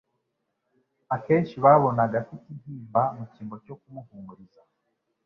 Akenshi babonaga afite intimba mu cyimbo cyo kumuhumuriza,